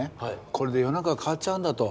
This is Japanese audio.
これで世の中が変わっちゃうんだと。